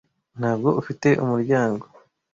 ntabwo ufite umuryango